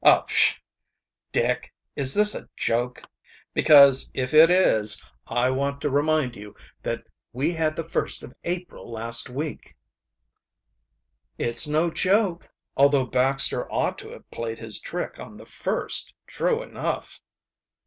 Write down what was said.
"Oh, pshaw, Dick, is this a joke? Because if it is, I want to remind you that we had the first of April last week." "It's no joke, although Baxter ought to have played his trick on the first, true enough."